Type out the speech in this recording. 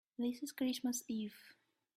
This is Christmas Eve.